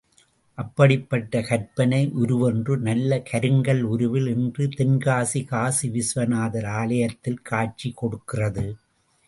அப்படிப்பட்ட கற்பனை உருவொன்றே நல்ல கருங்கல் உருவில் இன்று தென்காசி காசிவிசுவாநாதர் ஆலயத்தில் காட்சி கொடுக்கிறது.